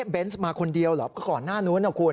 เบนส์มาคนเดียวเหรอก็ก่อนหน้านู้นนะคุณ